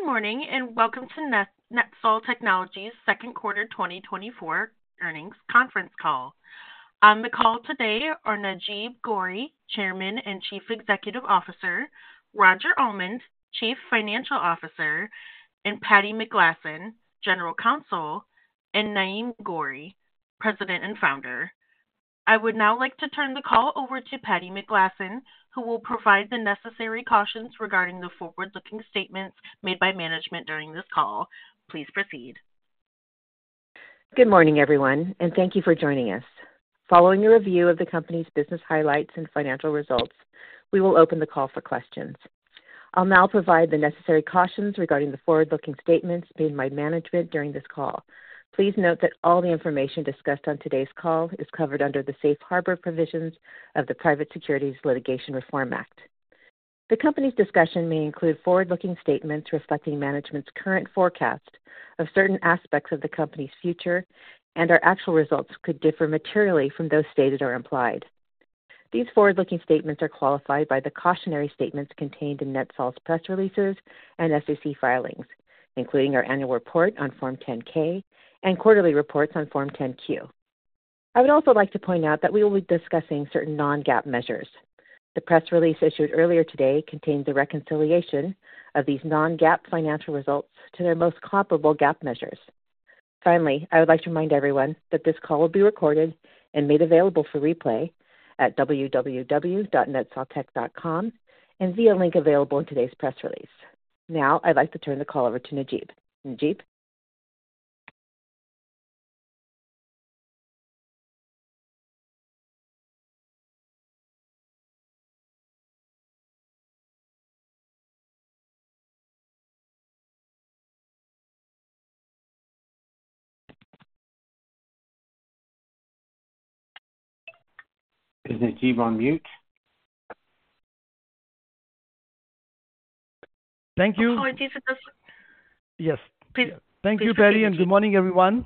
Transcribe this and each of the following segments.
Good morning, and welcome to NetSol Technologies' second quarter 2024 earnings conference call. On the call today are Najeeb Ghauri, Chairman and Chief Executive Officer, Roger Almond, Chief Financial Officer, and Patti McGlasson, General Counsel, and Naeem Ghauri, President and Founder. I would now like to turn the call over to Patti McGlasson, who will provide the necessary cautions regarding the forward-looking statements made by management during this call. Please proceed. Good morning, everyone, and thank you for joining us. Following a review of the company's business highlights and financial results, we will open the call for questions. I'll now provide the necessary cautions regarding the forward-looking statements made by management during this call. Please note that all the information discussed on today's call is covered under the Safe Harbor provisions of the Private Securities Litigation Reform Act. The company's discussion may include forward-looking statements reflecting management's current forecast of certain aspects of the company's future, and our actual results could differ materially from those stated or implied. These forward-looking statements are qualified by the cautionary statements contained in NetSol's press releases and SEC filings, including our annual report on Form 10-K and quarterly reports on Form 10-Q. I would also like to point out that we will be discussing certain non-GAAP measures. The press release issued earlier today contains a reconciliation of these non-GAAP financial results to their most comparable GAAP measures. Finally, I would like to remind everyone that this call will be recorded and made available for replay at www.netsoltech.com and via link available in today's press release. Now, I'd like to turn the call over to Najeeb. Najeeb? Is Najeeb on mute? Thank you. Apologies for this. Yes. Please. Thank you, Patti, and good morning, everyone.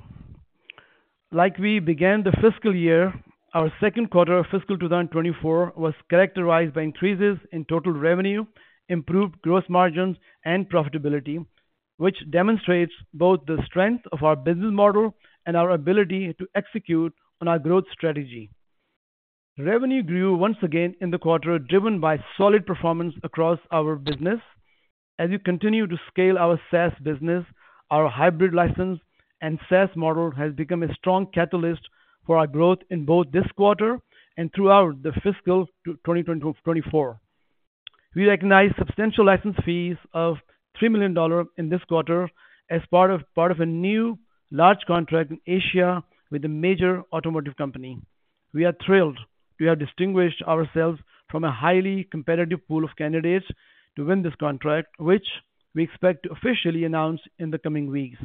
Like we began the fiscal year, our second quarter of fiscal 2024 was characterized by increases in total revenue, improved gross margins, and profitability, which demonstrates both the strength of our business model and our ability to execute on our growth strategy. Revenue grew once again in the quarter, driven by solid performance across our business. As we continue to scale our SaaS business, our hybrid license and SaaS model has become a strong catalyst for our growth in both this quarter and throughout the fiscal twenty 2024. We recognized substantial license fees of $3 million in this quarter as part of a new large contract in Asia with a major automotive company. We are thrilled to have distinguished ourselves from a highly competitive pool of candidates to win this contract, which we expect to officially announce in the coming weeks.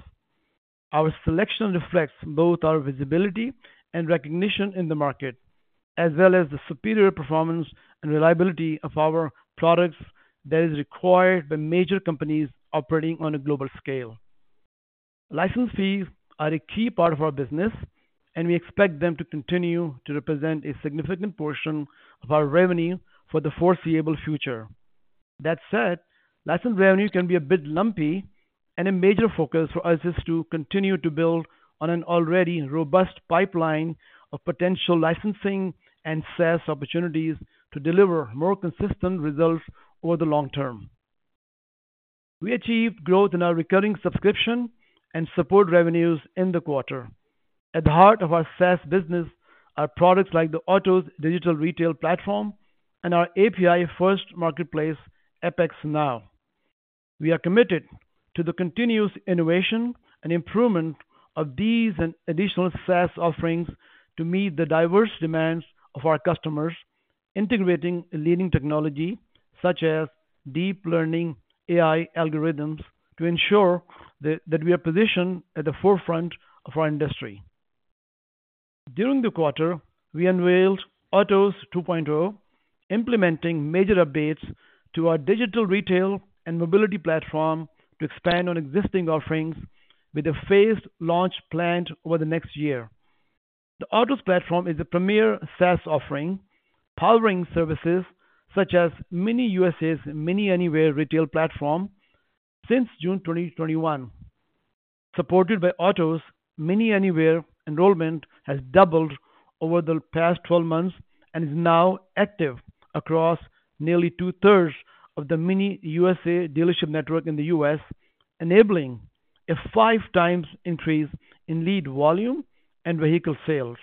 Our selection reflects both our visibility and recognition in the market, as well as the superior performance and reliability of our products that is required by major companies operating on a global scale. License fees are a key part of our business, and we expect them to continue to represent a significant portion of our revenue for the foreseeable future. That said, license revenue can be a bit lumpy, and a major focus for us is to continue to build on an already robust pipeline of potential licensing and SaaS opportunities to deliver more consistent results over the long term. We achieved growth in our recurring subscription and support revenues in the quarter. At the heart of our SaaS business are products like the Otoz Digital Retail Platform and our API-first marketplace, Appex Now. We are committed to the continuous innovation and improvement of these and additional SaaS offerings to meet the diverse demands of our customers, integrating leading technology such as deep learning AI algorithms, to ensure that, that we are positioned at the forefront of our industry. During the quarter, we unveiled Otoz 2.0, implementing major updates to our digital retail and mobility platform to expand on existing offerings with a phased launch planned over the next year. The Otoz platform is a premier SaaS offering, powering services such as MINI USA's MINI Anywhere retail platform since June 2021. Supported by Otoz, MINI Anywhere enrollment has doubled over the past 12 months and is now active across nearly two-thirds of the MINI USA dealership network in the U.S., enabling a 5 times increase in lead volume and vehicle sales.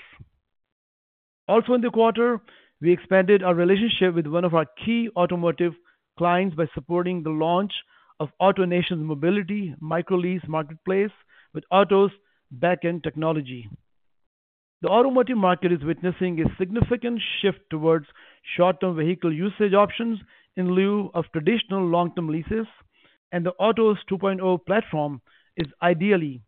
Also in the quarter, we expanded our relationship with one of our key automotive clients by supporting the launch of AutoNation's Mobility micro-lease marketplace with Otoz backend technology. The automotive market is witnessing a significant shift towards short-term vehicle usage options in lieu of traditional long-term leases, and the Otoz 2.0 platform is ideally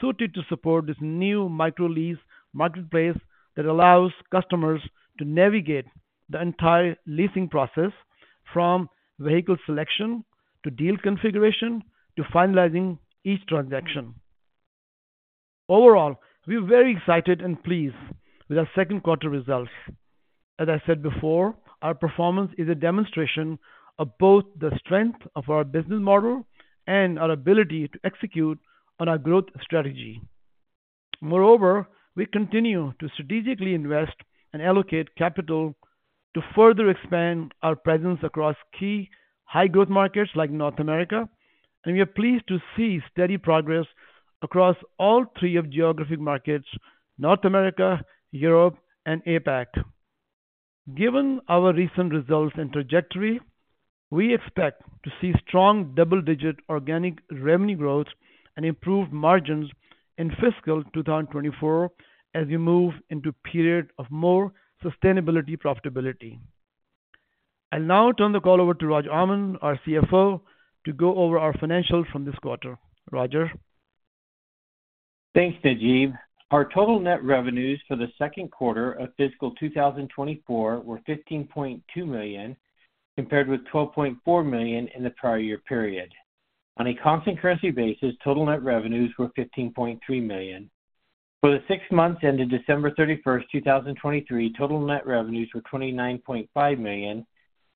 suited to support this new micro-lease marketplace that allows customers to navigate the entire leasing process, from vehicle selection to deal configuration to finalizing each transaction. Overall, we are very excited and pleased with our second quarter results. As I said before, our performance is a demonstration of both the strength of our business model and our ability to execute on our growth strategy. Moreover, we continue to strategically invest and allocate capital to further expand our presence across key high-growth markets like North America, and we are pleased to see steady progress across all three of geographic markets: North America, Europe, and APAC. Given our recent results and trajectory, we expect to see strong double-digit organic revenue growth and improved margins in fiscal 2024 as we move into a period of more sustainable profitability. I'll now turn the call over to Roger Almond, our CFO, to go over our financials from this quarter. Roger? Thanks, Najeeb. Our total net revenues for the second quarter of fiscal 2024 were $15.2 million, compared with $12.4 million in the prior year period. On a constant currency basis, total net revenues were $15.3 million. For the six months ended December 31, 2023, total net revenues were $29.5 million,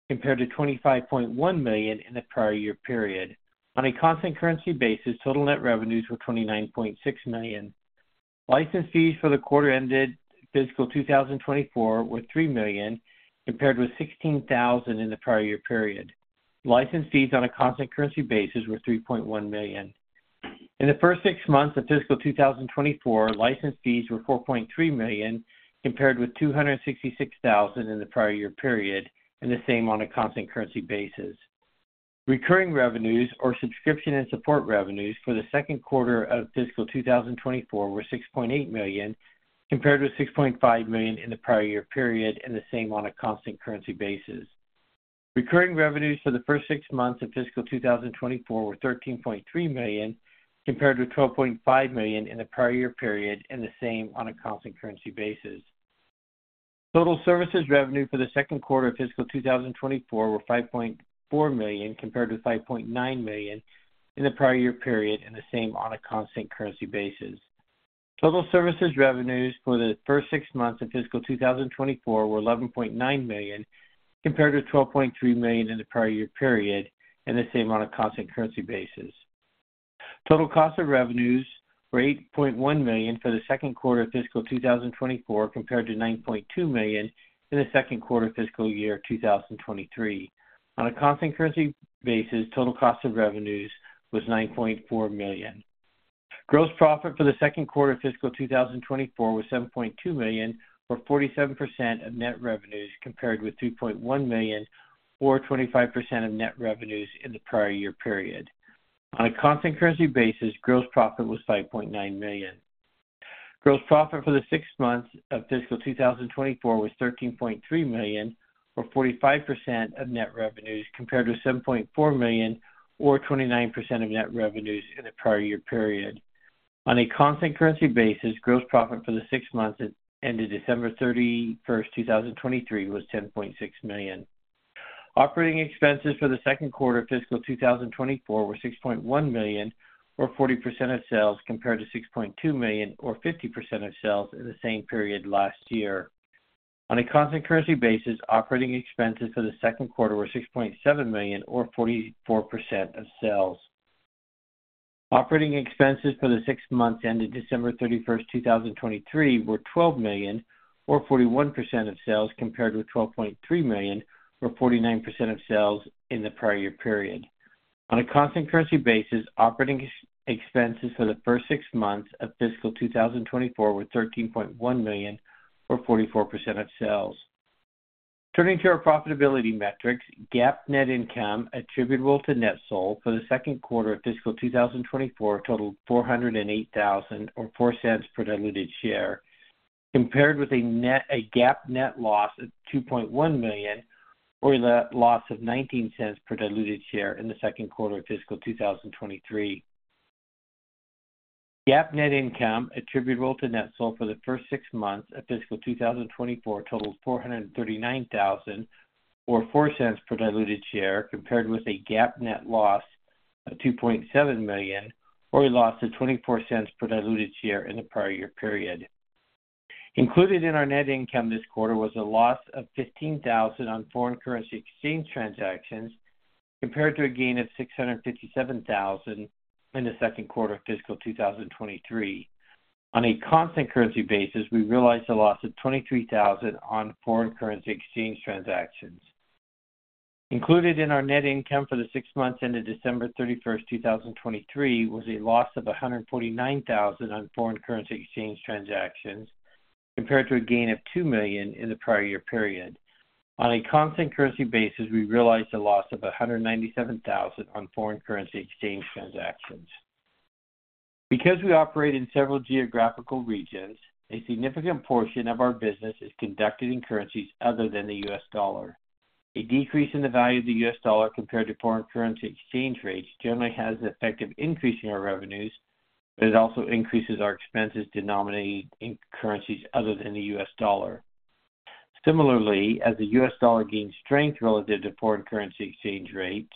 compared to $25.1 million in the prior year period. On a constant currency basis, total net revenues were $29.6 million. License fees for the quarter ended fiscal 2024 were $3 million, compared with $16,000 in the prior year period. License fees on a constant currency basis were $3.1 million. In the first six months of fiscal 2024, license fees were $4.3 million, compared with $266,000 in the prior year period, and the same on a constant currency basis. Recurring revenues or subscription and support revenues for the second quarter of fiscal 2024 were $6.8 million, compared with $6.5 million in the prior year period, and the same on a constant currency basis. Recurring revenues for the first six months of fiscal 2024 were $13.3 million, compared with $12.5 million in the prior year period, and the same on a constant currency basis. Total services revenue for the second quarter of fiscal 2024 were $5.4 million, compared with $5.9 million in the prior year period, and the same on a constant currency basis. Total services revenues for the first six months of fiscal 2024 were $11.9 million, compared to $12.3 million in the prior year period, and the same on a constant currency basis. Total cost of revenues were $8.1 million for the second quarter of fiscal 2024, compared to $9.2 million in the second quarter of fiscal year 2023. On a constant currency basis, total cost of revenues was $9.4 million. Gross profit for the second quarter of fiscal 2024 was $7.2 million, or 47% of net revenues, compared with $2.1 million, or 25% of net revenues in the prior year period. On a constant currency basis, gross profit was $5.9 million. Gross profit for the six months of fiscal 2024 was $13.3 million, or 45% of net revenues, compared with $7.4 million, or 29% of net revenues in the prior year period. On a constant currency basis, gross profit for the six months that ended December 31, 2023, was $10.6 million. Operating expenses for the second quarter of fiscal 2024 were $6.1 million, or 40% of sales, compared to $6.2 million or 50% of sales in the same period last year. On a constant currency basis, operating expenses for the second quarter were $6.7 million, or 44% of sales. Operating expenses for the six months ended December 31, 2023, were $12 million or 41% of sales, compared with $12.3 million or 49% of sales in the prior year period. On a constant currency basis, operating expenses for the first six months of fiscal 2024 were $13.1 million, or 44% of sales. Turning to our profitability metrics, GAAP net income attributable to NetSol for the second quarter of fiscal 2024 totaled $408,000 or $0.04 per diluted share, compared with a GAAP net loss of $2.1 million, or a loss of $0.19 per diluted share in the second quarter of fiscal 2023. GAAP net income attributable to NetSol for the first six months of fiscal 2024 totaled $439,000, or $0.04 per diluted share, compared with a GAAP net loss of $2.7 million, or a loss of $0.24 per diluted share in the prior year period. Included in our net income this quarter was a loss of $15,000 on foreign currency exchange transactions, compared to a gain of $657,000 in the second quarter of fiscal 2023. On a constant currency basis, we realized a loss of $23,000 on foreign currency exchange transactions. Included in our net income for the six months ended December 31, 2023, was a loss of $149,000 on foreign currency exchange transactions, compared to a gain of $2 million in the prior year period. On a constant currency basis, we realized a loss of $197,000 on foreign currency exchange transactions. Because we operate in several geographical regions, a significant portion of our business is conducted in currencies other than the US dollar. A decrease in the value of the US dollar compared to foreign currency exchange rates generally has the effect of increasing our revenues, but it also increases our expenses denominated in currencies other than the US dollar. Similarly, as the US dollar gains strength relative to foreign currency exchange rates,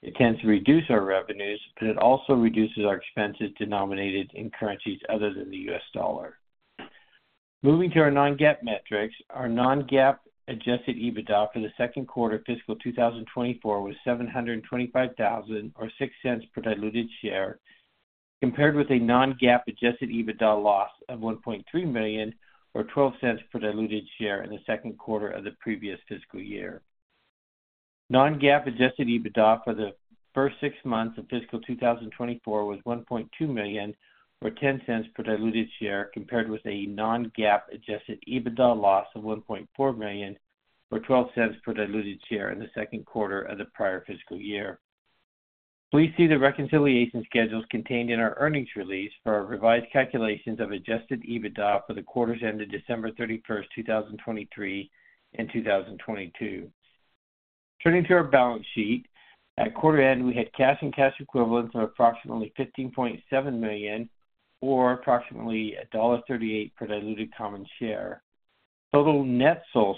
it tends to reduce our revenues, but it also reduces our expenses denominated in currencies other than the US dollar. Moving to our non-GAAP metrics, our non-GAAP Adjusted EBITDA for the second quarter of fiscal 2024 was $725,000, or $0.06 per diluted share, compared with a non-GAAP Adjusted EBITDA loss of $1.3 million, or $0.12 per diluted share in the second quarter of the previous fiscal year. Non-GAAP Adjusted EBITDA for the first six months of fiscal 2024 was $1.2 million, or $0.10 per diluted share, compared with a non-GAAP Adjusted EBITDA loss of $1.4 million, or $0.12 per diluted share in the second quarter of the prior fiscal year. Please see the reconciliation schedules contained in our earnings release for our revised calculations of Adjusted EBITDA for the quarters ended December 31, 2023 and 2022. Turning to our balance sheet, at quarter end, we had cash and cash equivalents of approximately $15.7 million or approximately $1.38 per diluted common share. Total NetSol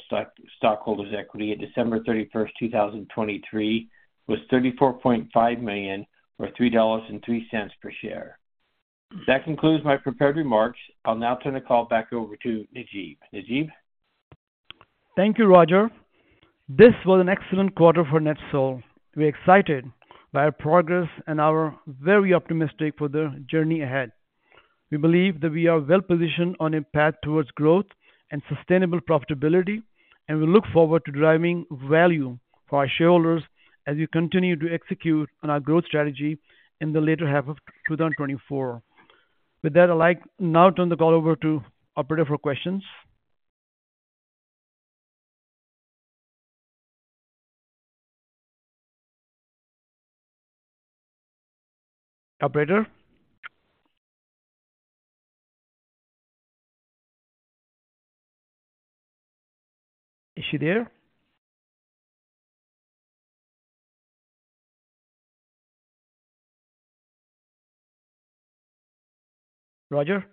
stockholders' equity at December 31, 2023 was $34.5 million, or $3.03 per share. That concludes my prepared remarks. I'll now turn the call back over to Najeeb. Najeeb? Thank you, Roger. This was an excellent quarter for NetSol. We're excited by our progress, and are very optimistic for the journey ahead. We believe that we are well positioned on a path towards growth and sustainable profitability, and we look forward to driving value for our shareholders as we continue to execute on our growth strategy in the latter half of 2024. With that, I'd like now turn the call over to operator for questions. Operator? Is she there? Roger?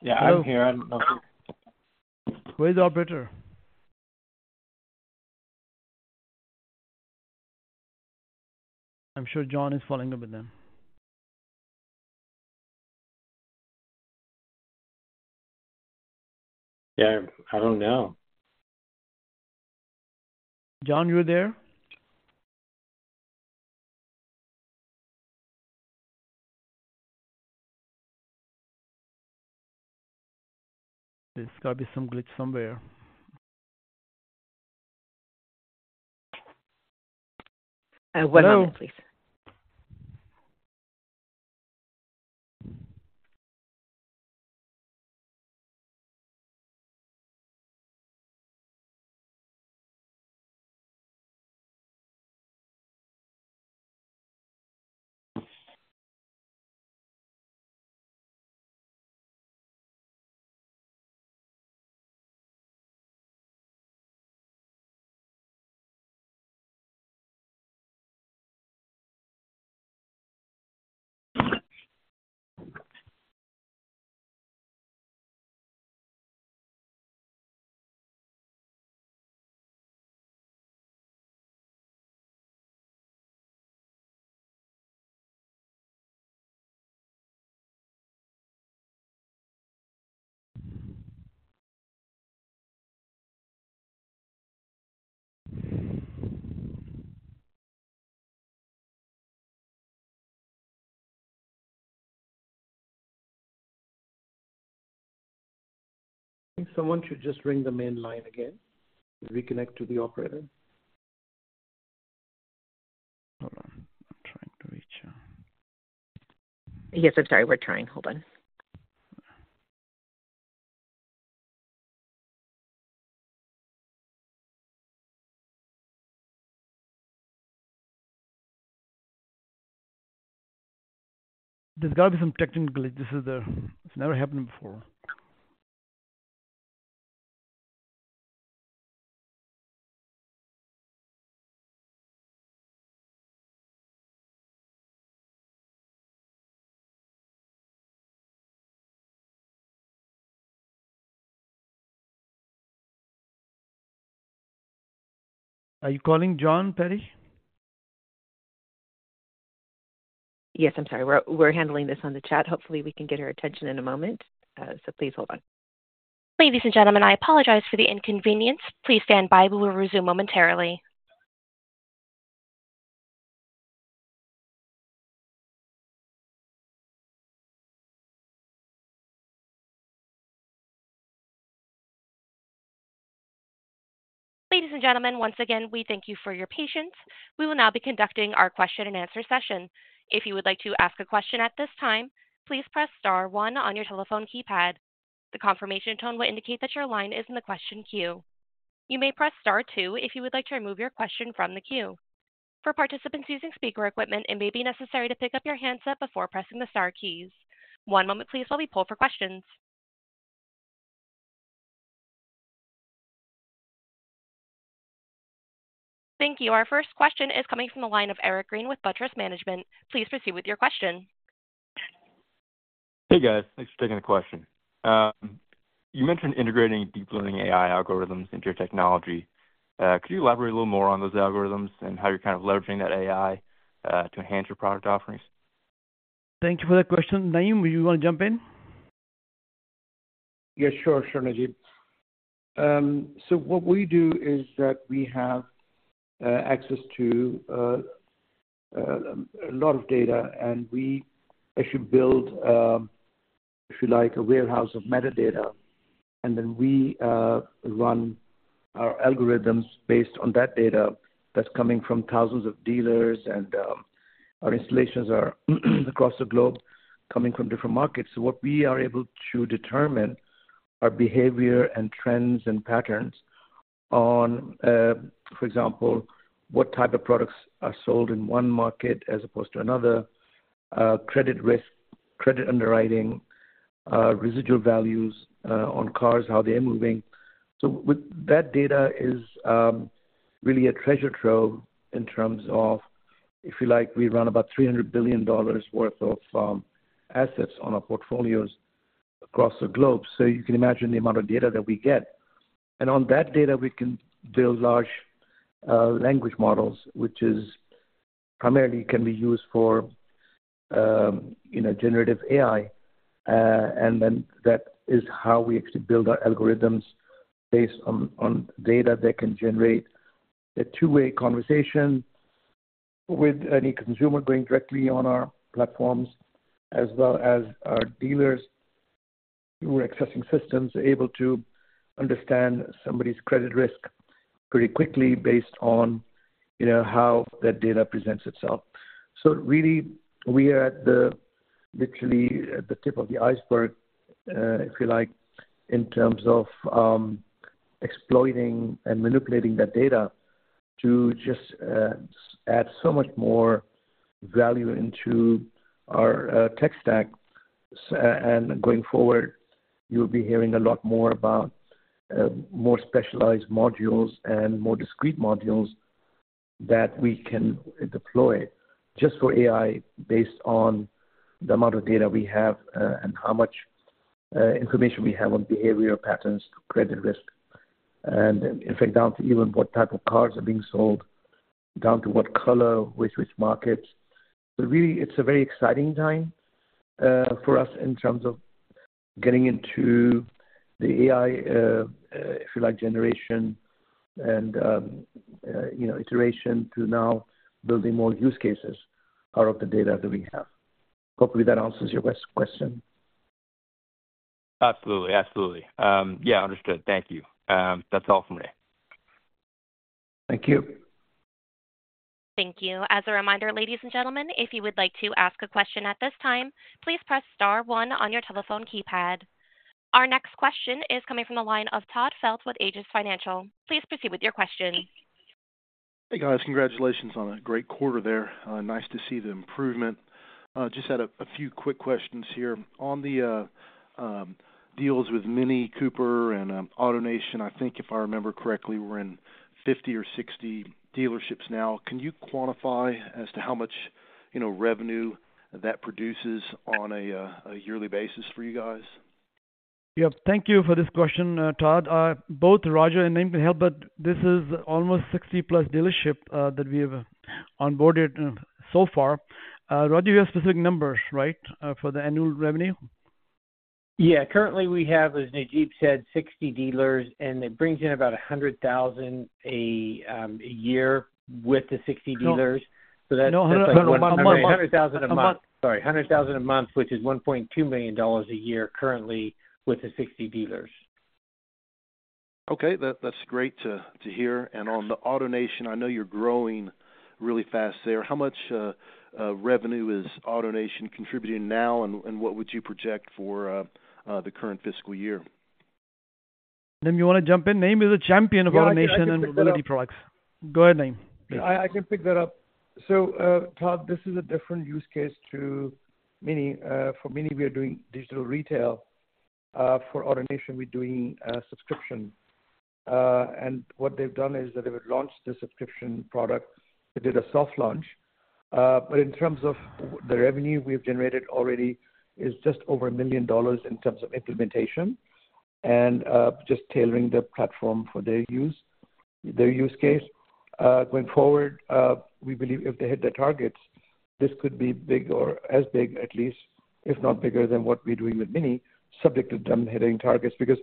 Yeah, I'm here. I don't know. Where's the operator? I'm sure John is following up with them. Yeah, I don't know. John, you're there? There's got to be some glitch somewhere. One moment, please. Someone should just ring the main line again to reconnect to the operator. Hold on. I'm trying to reach her. Yes, I'm sorry. We're trying. Hold on. There's got to be some technical glitches there. It's never happened before. Are you calling John Perry? Yes, I'm sorry. We're handling this on the chat. Hopefully, we can get her attention in a moment. So please hold on. Ladies and gentlemen, I apologize for the inconvenience. Please stand by. We will resume momentarily. Ladies and gentlemen, once again, we thank you for your patience. We will now be conducting our question and answer session. If you would like to ask a question at this time, please press star one on your telephone keypad. The confirmation tone will indicate that your line is in the question queue. You may press star two if you would like to remove your question from the queue. For participants using speaker equipment, it may be necessary to pick up your handset before pressing the star keys. One moment please, while we poll for questions…. Thank you. Our first question is coming from the line of Eric Green with Buttress Management. Please proceed with your question. Hey, guys. Thanks for taking the question. You mentioned integrating deep learning AI algorithms into your technology. Could you elaborate a little more on those algorithms and how you're kind of leveraging that AI to enhance your product offerings? Thank you for that question. Naeem, do you want to jump in? Yes, sure. Sure, Najeeb. So what we do is that we have access to a lot of data, and we actually build, if you like, a warehouse of metadata, and then we run our algorithms based on that data that's coming from thousands of dealers and our installations are across the globe, coming from different markets. So what we are able to determine are behavior and trends and patterns on, for example, what type of products are sold in one market as opposed to another, credit risk, credit underwriting, residual values, on cars, how they're moving. So with that data is really a treasure trove in terms of, if you like, we run about $300 billion worth of assets on our portfolios across the globe. So you can imagine the amount of data that we get. And on that data, we can build large, language models, which is primarily can be used for, you know, generative AI, and then that is how we actually build our algorithms based on, on data that can generate a two-way conversation with any consumer going directly on our platforms, as well as our dealers who are accessing systems, are able to understand somebody's credit risk pretty quickly based on, you know, how that data presents itself. So really, we are at the, literally at the tip of the iceberg, if you like, in terms of, exploiting and manipulating that data to just, add so much more value into our, tech stack. So, going forward, you'll be hearing a lot more about more specialized modules and more discrete modules that we can deploy just for AI based on the amount of data we have and how much information we have on behavioral patterns, credit risk, and in fact, down to even what type of cars are being sold, down to what color, which markets. But really, it's a very exciting time for us in terms of getting into the AI, if you like, generation and you know, iteration to now building more use cases out of the data that we have. Hopefully, that answers your question. Absolutely. Absolutely. Yeah, understood. Thank you. That's all from me. Thank you. Thank you. As a reminder, ladies and gentlemen, if you would like to ask a question at this time, please press star one on your telephone keypad. Our next question is coming from the line of Todd Phelps with Aegis Financial. Please proceed with your question. Hey, guys. Congratulations on a great quarter there. Nice to see the improvement. Just had a few quick questions here. On the deals with MINI Cooper and AutoNation, I think if I remember correctly, we're in 50 or 60 dealerships now. Can you quantify as to how much, you know, revenue that produces on a yearly basis for you guys? Yeah. Thank you for this question, Todd. Both Roger and Naeem can help, but this is almost 60-plus dealership, that we have onboarded so far. Roger, you have specific numbers, right, for the annual revenue? Yeah. Currently, we have, as Najeeb said, 60 dealers, and it brings in about $100,000 a year with the 60 dealers. No. No, a month, a month. $100,000 a month. Sorry, $100,000 a month, which is $1.2 million a year currently with the 60 dealers. Okay, that's great to hear. And on AutoNation, I know you're growing really fast there. How much revenue is AutoNation contributing now, and what would you project for the current fiscal year? Naeem, you want to jump in? Naeem is a champion of AutoNation- Yeah, I can pick that up. and mobility products. Go ahead, Naeem. I can pick that up. So, Todd, this is a different use case to MINI. For MINI, we are doing digital retail. For AutoNation, we're doing subscription. And what they've done is that they've launched the subscription product. They did a soft launch, but in terms of the revenue we've generated already, is just over $1 million in terms of implementation and just tailoring the platform for their use, their use case. Going forward, we believe if they hit their targets, this could be big or as big, at least, if not bigger than what we're doing with MINI, subject to them hitting targets, because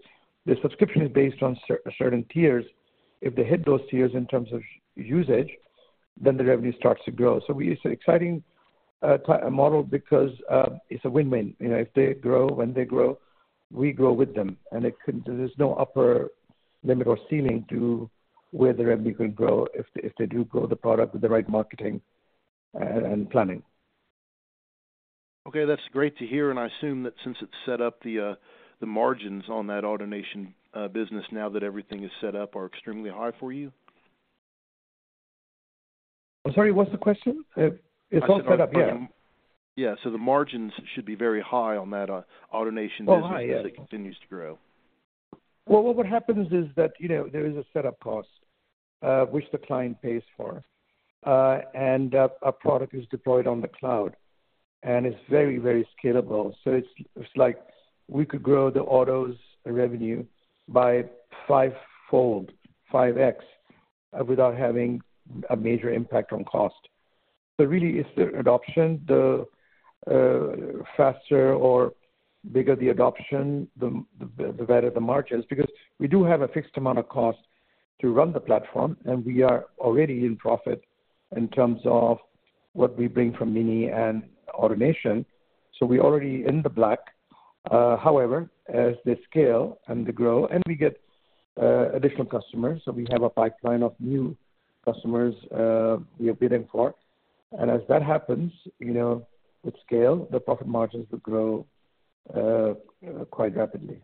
the subscription is based on certain tiers. If they hit those tiers in terms of usage, then the revenue starts to grow. So we... It's an exciting model because it's a win-win. You know, if they grow, when they grow, we grow with them, and it could... There's no upper limit or ceiling to where the revenue could grow if they, if they do grow the product with the right marketing and planning. Okay, that's great to hear, and I assume that since it's set up, the margins on that AutoNation business, now that everything is set up, are extremely high for you?... I'm sorry, what's the question? It's all set up here. Yeah. So the margins should be very high on that autoNation as it continues to grow. Oh, hi. Well, what happens is that, you know, there is a setup cost, which the client pays for. And a product is deployed on the cloud, and it's very, very scalable. So it's, it's like we could grow the Otoz revenue by fivefold, 5x, without having a major impact on cost. So really, it's the adoption. The faster or bigger the adoption, the better the margins, because we do have a fixed amount of cost to run the platform, and we are already in profit in terms of what we bring from MINI and AutoNation. So we're already in the black. However, as they scale and they grow and we get additional customers, so we have a pipeline of new customers, we are bidding for. As that happens, you know, with scale, the profit margins will grow quite rapidly.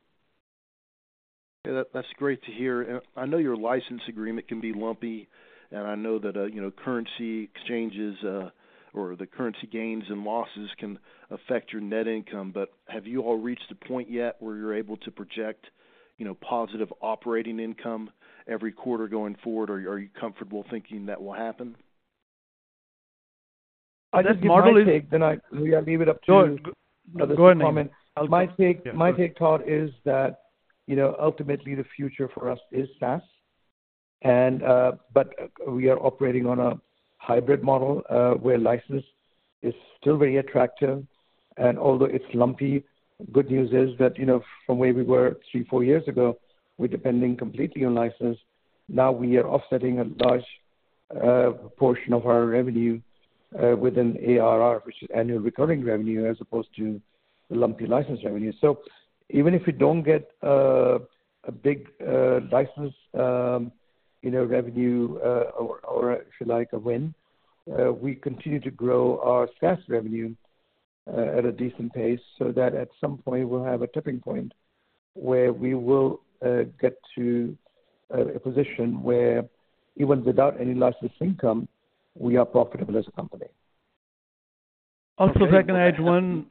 Yeah, that's great to hear. I know your license agreement can be lumpy, and I know that, you know, currency exchanges, or the currency gains and losses can affect your net income, but have you all reached a point yet where you're able to project, you know, positive operating income every quarter going forward, or are you comfortable thinking that will happen? I'll just give my take, then I'll leave it up to you- Go ahead. To comment. Go ahead. My take, my take, Todd, is that, you know, ultimately the future for us is SaaS. But we are operating on a hybrid model, where license is still very attractive, and although it's lumpy, good news is that, you know, from where we were three, four years ago, we're depending completely on license. Now we are offsetting a large portion of our revenue within ARR, which is annual recurring revenue, as opposed to the lumpy license revenue. So even if we don't get a big license, you know, revenue, or if you like, a win, we continue to grow our SaaS revenue at a decent pace so that at some point we'll have a tipping point where we will get to a position where even without any license income, we are profitable as a company. Also, if I can add one.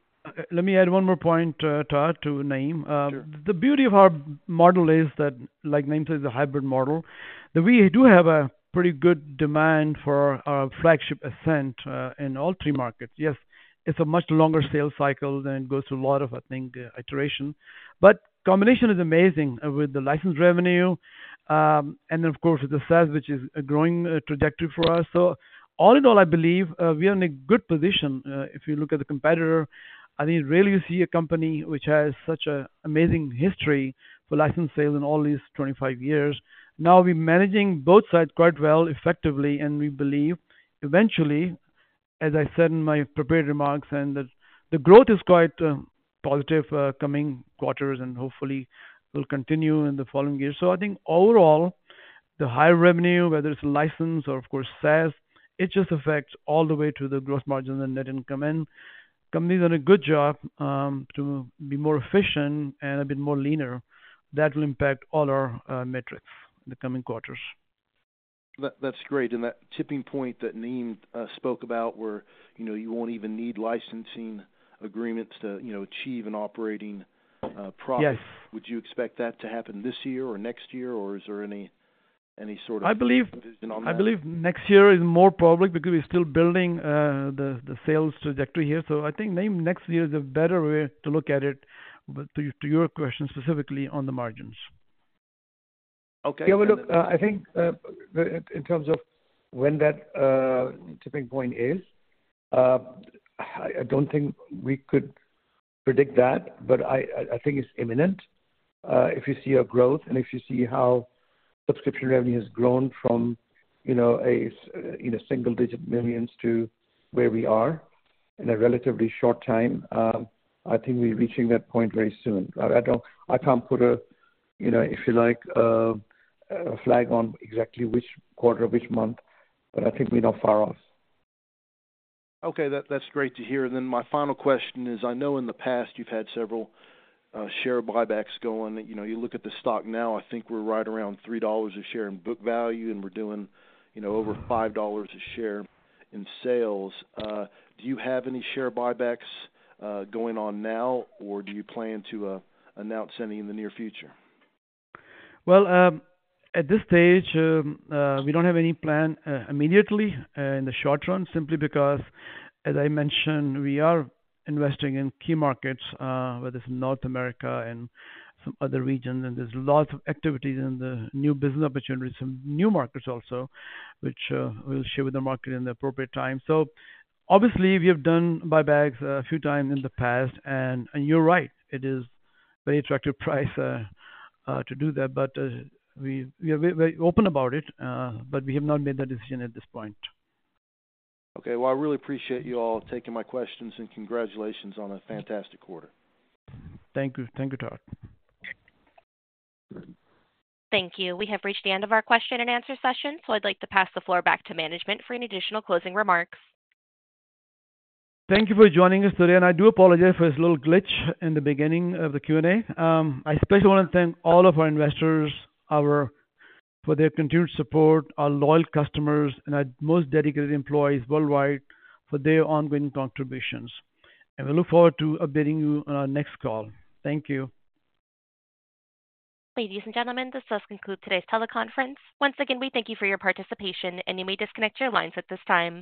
Let me add one more point, Todd, to Naeem. Sure. The beauty of our model is that, like Naeem said, it's a hybrid model, that we do have a pretty good demand for our flagship Ascent, in all three markets. Yes, it's a much longer sales cycle than goes through a lot of, I think, iteration, but combination is amazing with the license revenue, and of course, the sales, which is a growing trajectory for us. So all in all, I believe, we are in a good position. If you look at the competitor, I think really you see a company which has such an amazing history for license sales in all these 25 years. Now, we're managing both sides quite well, effectively, and we believe eventually, as I said in my prepared remarks, and that the growth is quite, positive, coming quarters and hopefully will continue in the following years. I think overall, the high revenue, whether it's license or of course, SaaS, it just affects all the way to the gross margins and net income. Company's done a good job to be more efficient and a bit more leaner. That will impact all our metrics in the coming quarters. That, that's great. And that tipping point that Naeem spoke about where, you know, you won't even need licensing agreements to, you know, achieve an operating profit. Yes. Would you expect that to happen this year or next year, or is there any, any sort of- I believe- Vision on that? I believe next year is more public because we're still building the sales trajectory here. So I think, Naeem, next year is a better way to look at it, but to your question, specifically on the margins. Okay. Yeah, well, look, I think in terms of when that tipping point is, I don't think we could predict that, but I think it's imminent. If you see our growth and if you see how subscription revenue has grown from, you know, in a single-digit millions to where we are in a relatively short time, I think we're reaching that point very soon. I don't—I can't put a, you know, if you like, a flag on exactly which quarter, which month, but I think we're not far off. Okay, that's great to hear. And then my final question is, I know in the past you've had several share buybacks going. You know, you look at the stock now, I think we're right around $3 a share in book value, and we're doing, you know, over $5 a share in sales. Do you have any share buybacks going on now, or do you plan to announce any in the near future? Well, at this stage, we don't have any plan immediately in the short run, simply because, as I mentioned, we are investing in key markets, whether it's North America and some other regions, and there's lots of activities and new business opportunities, some new markets also, which we'll share with the market in the appropriate time. So obviously, we have done buybacks a few times in the past, and you're right, it is a very attractive price to do that. But we are very open about it, but we have not made that decision at this point. Okay. Well, I really appreciate you all taking my questions, and congratulations on a fantastic quarter. Thank you. Thank you, Todd. Thank you. We have reached the end of our question and answer session, so I'd like to pass the floor back to management for any additional closing remarks. Thank you for joining us today, and I do apologize for this little glitch in the beginning of the Q&A. I especially want to thank all of our investors, our... for their continued support, our loyal customers, and our most dedicated employees worldwide for their ongoing contributions. We look forward to updating you on our next call. Thank you. Ladies and gentlemen, this does conclude today's teleconference. Once again, we thank you for your participation, and you may disconnect your lines at this time.